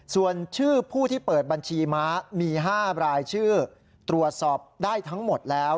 ส่วนชื่อผู้ที่เปิดบัญชีม้ามี๕รายชื่อตรวจสอบได้ทั้งหมดแล้ว